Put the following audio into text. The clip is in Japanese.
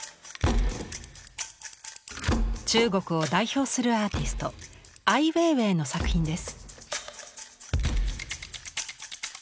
中国を代表するアーティストアイ・ウェイウェイの作品です。